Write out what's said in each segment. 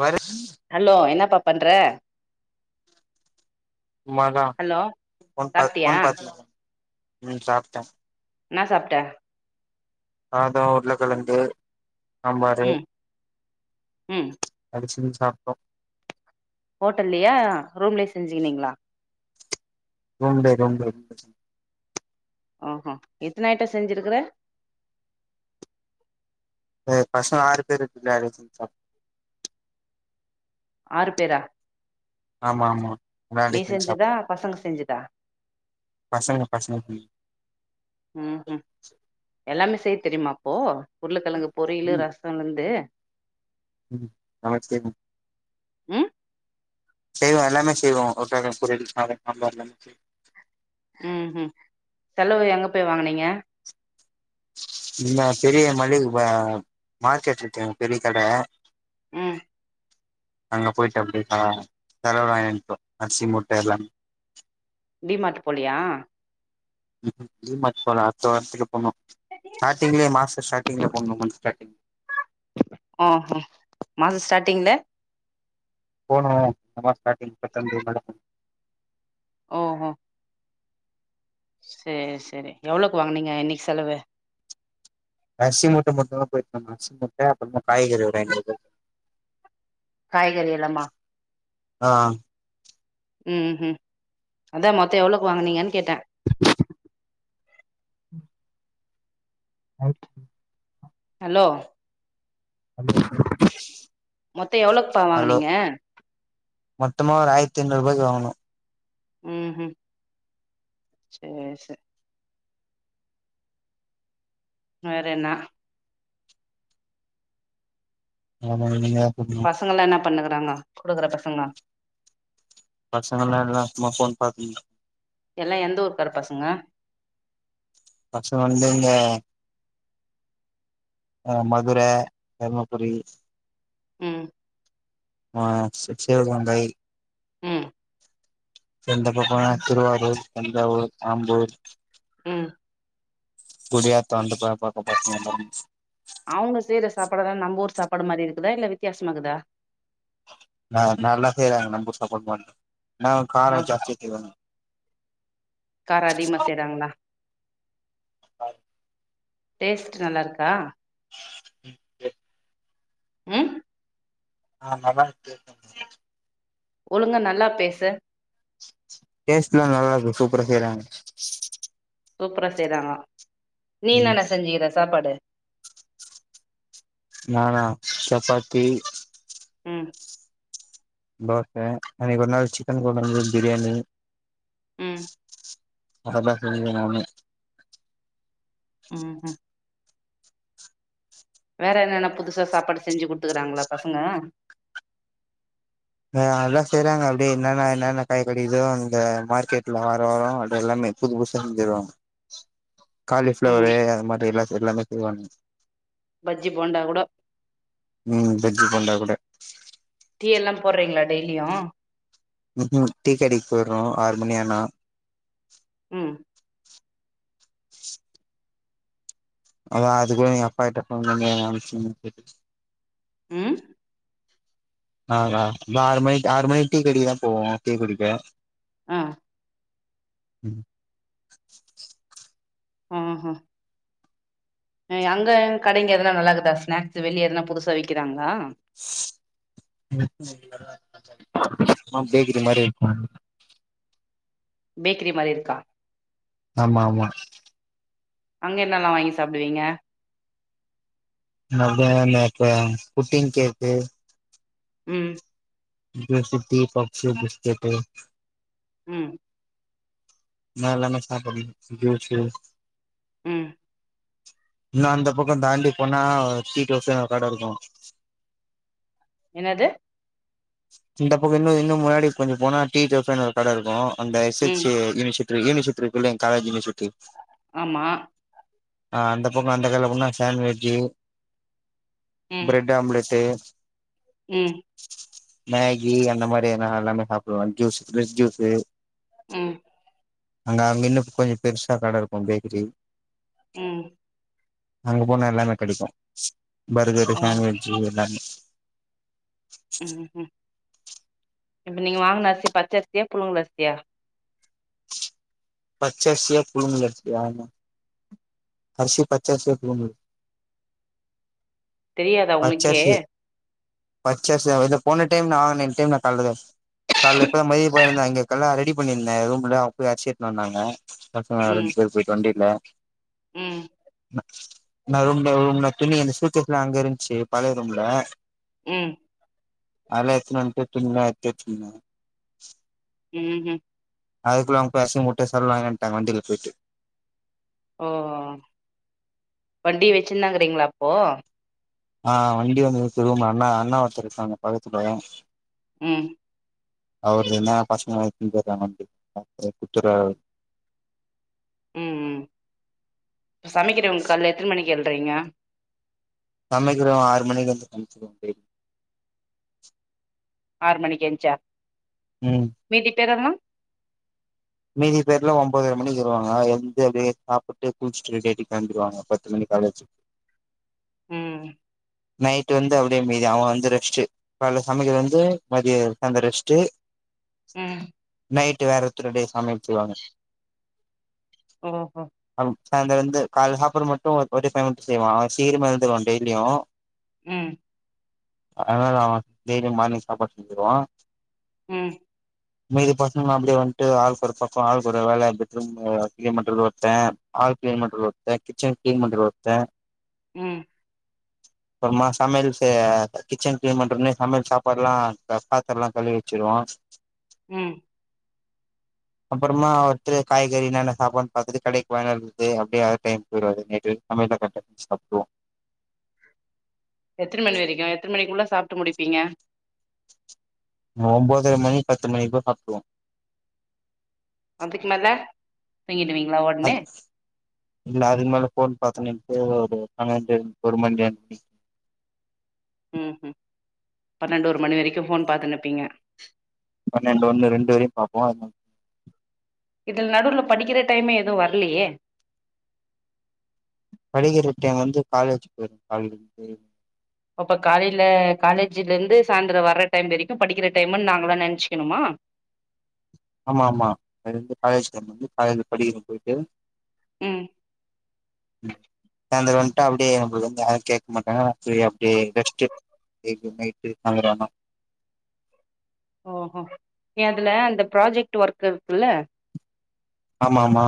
வேற ஹலோ என்ன பாப் பண்ற சும்மா தான் ஹலோ போன் பாத் சாப்ட்டியா போன் பார்துட்டு இருக் உம் சாப்டன் என்னா சாப்ட சாதம் உருளக்கிழங்கு சாம்பாரு ம் ம் அரிசி சாப்டோம் ஹோட்டல்லயா ரூம்லயே செஞ்சுக்னீங்களா ரூம்ளே ரூம்ளே ஓஹோ இத்தன ஐட்டம் செஞ்சிருக்குற பசங்க ஆறு பேர் இருக்ராங்க சா ஆறு பேரா ஆமா ஆமா நீ விளான்டுட்டு வந்து சாப் செஞ்சதா பசங்க செஞ்சதா பசங்க பசங்க உஹம் உஹம் எல்லாமே செய் தெரியுமாப்போ உருளைக்கிழங்கு பொரியலு ம் ரசம்லேருந்து ம் நமஸே மேம் ம் செய்வோம் எல்லாமே செய்வோம் [unintelligible] பொரியல் சாம்பார்லேந்து எல்லாமே செய்வோம் ஹம் ஹம் செலவு எங்க போய் வாங்கனீங்க இந்த பெரிய மளிக மார்கெட் இருக்கு பெரிய கடை உஹம் அங்க போயிட்டு அப்படிய செலவலட்டோம் அரிசி மூட்டை எல்லாமே டீ மார்ட்டு போலயா டீமார்ட் போல அடுத்த வாரத்துக்கு போனும் ஸ்டாடிங்லையே மாச ஸ்டாடிங்ல போனோம் ஸ்டாடிங்ல போணோம் அமா ஸ்டாண்டில் பத்தாந்தேதி மேல ஓஹா சேரி சேரி எவ்வளவுக்கு வாங்னீங்க இன்னைக்கு செலவு அரிசி மூட்ட மட்டும் தான் போய்டு வந்தோம் அரிசி மூட்ட அப்பறம் காய்கறி ஒரு ஐநூறுபாய்க்கு காய்கறி எல்லாமா ஆஹ் உம் ஹம் அதான் மொத்தம் எவ்வளவுக்கு வாங்கனீங்கன்னு கேட்டேன் ஹ ஹலோ மொத்தம் எவ்ளோக்பாவாங் நீங்க மொத்தமாக ஒரு ஆயிரத்து ஐய்நூறுரூபாய்க்கு வாங்ணோ உஹம் உஹம் செரி செரி வேற என்ன ஆமா நீங்க பசங்கல்லா என்ன பண்ணுகுறாங்க கூடயிக்கற பசங்க பசங்க எல்லா எல்லா சும்மா ஃபோன் பாத்துன்னு எல்லா எந்த ஊருக்கார பசங்க பிரச்சன வந்து இந்த ஆ மதுரை தருமபுரி ம் ஆ [unintelligible] சிவகங்கை உம் இந்தந்த பக்கம் திருவாரூர் தஞ்சாவூர் ஆம்பூர் உம் குடியாதோ அந்த போ பக்க பாசங்க [unintelligible] அவுங்க செய்யற சாப்பாடெல்லா நம்ம ஊர் சாப்பாடு மாரி இருக்குதா இல்ல வித்தியாசமா இருக்குதா ஆஹ் நல்லா செய்றாங்க நம்ம சப்போர்ட் பண்ணும் நான் கார ஜாஸ்தியா [unintelligible] கார் அதிமா செய்றாங்களா டேஸ்ட் நல்லா இருக்கா ம் [unintelligible] ம் ஆஹ் நல்லா [unintelligible] ஒழுங்க நல்லா பேசு டேஸ்ட்லா நல்லா இருக்கு சூப்பரா செய்றாங்க சூப்பரா செய்றாங்க நீ நா ம் நா செஞ்சுக்கிறே சாப்பாடு நானா சப்பாத்தி உம் தேச அன்னிக்கு ஒரு நாள் சிக்கன் கொழம்பு பிரியாணி உம் அதெல்லா [unintelligible] உம் உஹம் வேற என்னென்னா புதுசா சாப்பாடு செஞ்சி குடுத்துக்கறாங்களா பசங்க ஹ் அதெல்லா செய்றாங்க அப்படியே என்னென்னா என்னென்னா காய் கடிக்கிதோ அந்தந்த மார்க்கெட்ல வாரோ வரோவ அப்டியே எல்லாமே புது புசா செஞ்சிருவங்க ம் காலிஃப்ளவர்ரு அது மாரில்லா எல்லாமே செய்வானுங் பஜ்ஜி போண்டா கூட டிப்ரென்டா கூட டீ எல்லா போட்றீங்களா டெய்லியு ம் டீக்கடைக்க போய்டுறோம் ஆறு மணியானா உம் அத்த அது கூட அப்பா கிட்ட ஃபோன் பண்ணி கேட்டு ம் ஆஹ் நாங்லா இதை ஆறு மணிக் ஆறு மணிக்கு டீக்கடைக்குதா போவோ டீக்குடிக்க ஆ ம் ஆ ஆ ஆ அங்க கடைங்கெல்லாம் நல்லா இருக்குதா ஸ்நாக்ஸ் வெளிய எதனா புதுசா விக்குறாங்களா ஆ பேக்கரி மாரி விப்பாங் பேக்கரி மாரி இருக்கா ஆமா ஆமா அங்க என்னல்லாம் வாங்கி சாப்பிடுவீங்க நாங்க அங்க புட்டிங் கேக்கு ம் [unintelligible] பப்சு பிஸ்கட்டு ம் நான் எல்லாமே சாப்புவேன் [unintelligible] ம் இன்னு அந்த பக்கம் தாண்டி போனா இட்லி தோசை கடை இருக்கும் என்னது இந்த பக்கம் இன்னும் இன்னும் முன்னாடி கொஞ்சம் போனா டீ தோசை ஒரு கட இருக்கும் அந்த எஸ் ஹச் ம் ஏ யூனியன் சிப் இதுல ஏனி சுர்றாக்குள்ள காலேஜையே சுத்தி ஆமா ஆ அந்த பக்கம் அந்த கடைல போன சேன்விஜ்ஜு ம் ப்ரெட் ஆம்லேட்டு ம் மேகி அந்த மாரி எதுனா எல்லாமே சாப்பிடுவேன் ஜூஸ் ப்ரஸ் ஜூஸு உம் அங்க அங்க இன்னும் கொஞ்சம் பெருசா கட இருக்கும் பேக்கரி உம் அங்க போனா எல்லாமே கெடைக்கும் பர்கர்ரு சேண்வெஜ்ஜூ எல்லாமெ உம் ஹும் ம் இப்ப நீங்க வாங்குன அரிசி பச்ச அரிசியா புழுங்க அரிசியா பச்சரிசியா புழுங்கலரிசியானு அரிசி பச்சரிசி புழுங்கல் தெரியாதா உனக்கே பச்சரிசி அது போன டைம் நான் [unintelligible] கால்ல போய் மொய் பைய் இங்க கல்லா ரெடி பண்ணிருந்தேன் ரூம்ல அவ்ங்க போய் அர்சி எனுவந்தாங்க பசங்க ரெண்டு பேர் போயிட்டு வண்டில உம் நான் ரூம்ல ரூம்ல துணி இருந்துச்சு தூக்ன அங்க இருந்ச்சு செரி பழய ரூம்ல உம் அதுலா எடுத்துன்வன்ட்டு துணிலாம் எத்து வச்சின் இருந்தேன் உம் உம் அதுக்குள்ள அவங்க [unintelligible] முட்ட சொல்லுவாங்கட்டா வண்டியில போயிட்டு ஓ வண்டி வெச்சிருந்தாங்கிறீங்களா அப்போ ஆ வண்டி வந்துரு [unintelligible] அண்ணா அண்ணா ஒருத்தரு இருக்காங்ஙக பக்கத்துல ம் அவர் என்ன பசங்க [unintelligible] குத்துறாரு ம் ம் சமைக்கிறவுங்க கால எத்தனை மணிக்கு [unintelligible] சரீங்க சமைக்கிறோ ஆறு மணிக்கு [unintelligible] சமைச்சுக்கவோ [inaudible] ஆறு மணிக்கு எஞ்ச ம் மீதி பேர் எல்லா மீதி பேர்ல ஒன்பதரை மணிக்கு வருவாங்க எந்து அப்படியே சாப்பிட்டு குளிச்சுட்டு ரெடி ஆயிட்டு வந்துடுவாங்க பத்து மணிக்கு காலேஜு ம் நைட் வந்து அப்படியே மீதி அவன் வந்து ரெஸ்ட்ட் காலையில சமைக்குறது வந்து மதியோ சாயந்திரோ ரெஸ்ட்டு ம் நைட்டு் வேற த்ரூ [unintelligible] வெச்சுருவாங்க ஓஹோ சாயந்தர வந்து கால சாப்பற மட்டு ஒரு பையன் மட்டு செய்வா அவ சீக்கிரமா எழுந்திருவா டெய்லியு ம் அதனால அவ டெய்லி மார்னிங் சாப்பாடு செஞ்சிருவா ம் மீதி பசங்க எல்லா அப்படியே வந்துட்டு [unintelligible] ஒரு பக்கம்ஹால் கு ஒரு வேலை பெட்ரூம் கிளீன் பண்றது ஒருத்த ஹால் கிளீன் பண்றது ஒருத்த கிச்சன் கிளீன் பண்றது ஒருத்த ம் அப்புறமா சமையல் செ கிச்சன் கிளீன் பண்றோனே சமையல் சாப்பாடு எல்லா பாத்திர எல்லா கழு வச்சிருவா ம் அப்பறமா ஒருதரு காய்கறி என்னன்ன சாப்பாடுனு பார்த்தட்டு கடைக்கு வாய்யுனுவருது அப்படியே அத டைம் போயிடும் நைட்டு சமையல் [unintelligible] சாப்பிடுவோம் எத்தனை மணி வரைக்கு எத்தன மணிக்குள்ள சாப்பிட்டு முடிப்பீங்க ஒம்பதர மணி பத்து மணிக்குள்ள சாப்புட்டுருவோ அதுக்கு மேல தூங்கிடுவீங்களா ஒடனே அது இல்ல அதுக்கு மேல ஃபோன் பாத்துனு பொதுவா ஒரு பன்னெண்டு ஒரு மணி [inaudible] ம் ஹம் பன்னெண்டு ஒரு மணி வரைக்கு ஃபோன் பாத்துனு இருப்பீங்க பன்னெண்டு ஒண்ணு ரெண்டு வரையும் பாப்போ [unintelligible] இதுல நடுல படிக்கிற டைம் எது வருலையே படிக்கிற டைம் வந்து காலேஜ் போயிட்டு [unintelligible] அப்ப காலையில காலேஜ்ல இருந்து சாய்ந்தரோ வர்ற டைம் வரைக்கு படிக்கிற டைமுன்னு நாங்கெல்லா நெனச்சுக்கணுமா ஆமா ஆமா அதுந்து காலேஜ் வந்து காலேஜ்ல படிக்கிற போயிட்டு ம் ம் சாயந்தரம்வன்ட்டடு அப்படியே நம்மள வந்து யாரும் கேட்க மாட்டாங்க அப்படியே ரெஸ்ட்டு [unintelligible] நைட்டு [unintelligible] ஓ ஓ நீ அதுல அந்த ப்ராஜெக்ட் வர்க்கு இருக்குல்ல ஆமா ஆமா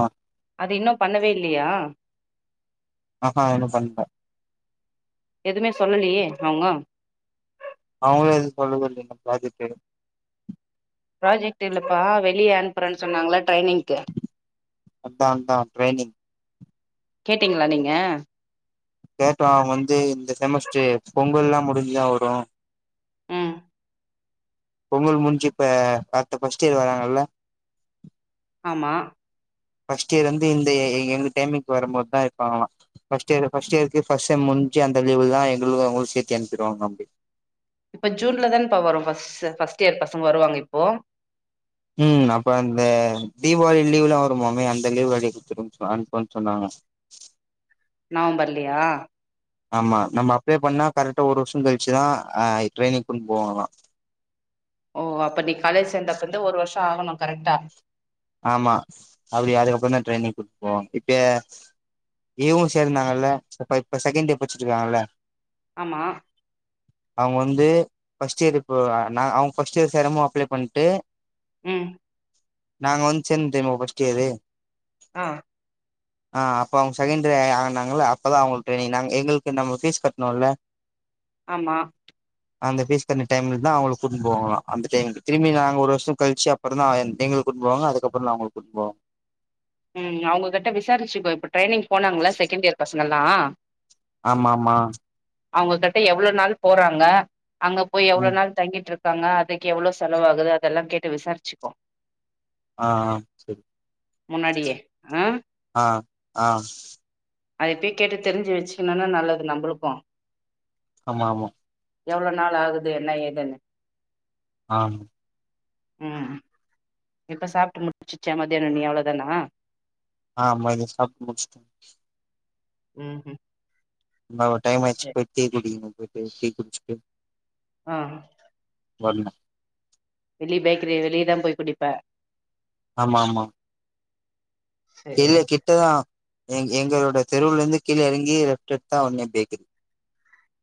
அது இன்னும் பண்ணவே இல்லியா ஆ ஆ இன்னு பண்ல எதுவுமே சொல்லலையே அவுங்கோ அவங்களு எது சொல்லலைங்கலா பிராஜட்டு ப்ராஜெக்ட் இல்லப்பா வெளிய அனுப்றனு சொன்னாங்கள அதான்தான் ட்ரரைனிங் கேட்டீங்ளா நீங்க? கேட்டாம் அவங்க வந்து இந்த செமஸ்டர் பொங்கல்லாம் முடிஞ்சுதான் வரும் ம் பொம்மல் முஞ்சு இப்ப அத்த ஃபர்ஸ்ட் இயர் வராங்கல்ல ஆமா ஃபஸ்ட் இயர் வந்து இந்த எங்க டைமி்ங்க்கு வரும்போதுதா இருப்பாங்களா ஃபஸ்ட் இயர் ஃபஸ்ட் இயர்க்கே ஃபர்ஸ்ட் செம் முடிஞ்சு அந்த லீவுல தா எங்களுக்கு அவுங்குளுக்கு சேர்த்தி அனுப்பிடுவாங்க அப்டி இப்ப ஜூன்ல தான்ப்பா வரும் ஃபர்ஸ்ட் இயர் பசங்க வருவாங்க இப்போ ம் அப்ப அந்த தீபாவளி லீவுலா வருமாமே அந்த லீவு அடி குடுத்துடு [unintelligible] சொன்னாங்க நவம்பர்லியா ஆமா நம்ம அப்ளை பண்ணா கரெக்டா ஒரு வருஷோ கழிச்சுதா அ ட்ரெயனிங் கூட்ன் போவாங்ளா ஓ அப்ப நீ காலேஜ் சேந்தப்பந்து ஒரு வருஷோ ஆகணு கரெக்டா ஆமா அவரு அதுக்கப்றோ தா ட்ரரைனிங் குடுப்போ இப்ப இவு சேர்ந்னால இப்ப இப்ப செகண்டியர் பச்சிட்ருக்காங்ள இருக்காங்கல்ல ஆமா அவங்க வந்து ஃபர்ஸ்ட் இயர் இப்போ நா அவங்க ஃபஸ்ட் இயர் சேர மோது அப்ளை பண்ணிட்டு உம் நாங்க வந்து சேந்தோ தெரியுமா ஃபஸ்ட் இயரு ஆஹ் ஆஹ் அப்ப அவங்க செகண்டரி ஆங்கனாங்கல அப்பதா அவங்களுக்கு ட்ரைனிங் நா எங்களுக்கு நம்ம ஃபீஸ் கட்னோல்ல ஆமா அந்த பேஸ் பண்ண டைம்லதா அவுங்க கூட்ண்னு போவாங்லா அந்த டைம்க்கு திரும்பி நாங்க ஒரு வருஷோ கழிச்சு அப்புறோ தா எ எங்ளுக் கூப்ட்டு போவாங்க அதுக்கப்புற தா நா உங்கள கூட்டுபோவோ உம் அவங்ககிட்ட விசாரிச்சு போய்ப்ப ட்ரைனிங் போனாங்ளா செகண்ட் இயர் பசங் னல்லா ஆமா ஆமா அவுங்க கிட்ட எவ்ளோவு நாள் போறாங்க அங்க போய் எவ்ளோ ம் நாள் தங்கிட்டுருக் க்காங்க அதுக்கே எவ்ளோவு செலவாகுது அதெல்லா கேட்டு விசாரிச்சுக்கோ ஆ ஆ செரி முன்னாடியே ஆ ஆஹ் ஆஹ் அதப் பேய் கேட்டு தெரிஞ்சு வச்சுக்கணுன்னா நல்லதுல நம்மளுக்கு ஆமா ஆமா எவ்வளவு நாள் ஆகுது என்ன ஏதுன்னு ஆஹ் உம் இப்ப சாப்பிட்டு முடிச்சிச்ச மதியானம் நீ அவ்ளதானா ஆஹ் மருந்து ச பச்சத்த உம் உம் ந டைம் ஆயிச்சி போய் குடி டீ குச்ச ஆஹ் வர்ணு வெளிய பேக்ரி வெளியதா போய் குடிப்பா ஆமா ஆமா சேர் இல்ல சேர் கிட்டதான் எங் எங்களோட தெருவுல இருந்து கீழே இறங்கி ரெப்டர் தா வந்த பேக்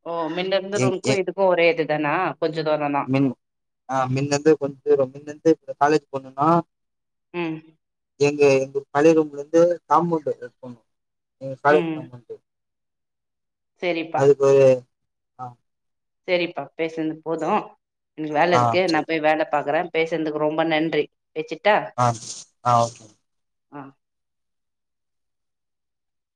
ஓ மின்ன இருந்து ரும்க்கோ இதுக்கும் ஒரே எதுக்கு தானா மின் ஆ மின்னந்து கொஞ்ச தூரோ மின் இருந்து காலேஜ் பொண்ணுனா ம் எங்க எங்க பழம ரூம்ல இருந்து தாமண்டு இருக்கணு நீங்க காலைக்கு ம் தமட்டு அதுக்கு ஆ சரிப்பா பேசனது போதும் எனக்கு வேலை ஆ இருக்கு சரி நான் போய் வேலை பார்க்குறேன் பேசுறதுக்கு ரொம்ப நன்றி வெச்சுட்டா ஆ ஆ ஓகே ஆ